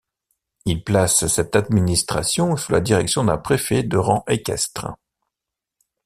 Il place cette administration sous la direction d'un préfet de rang équestre.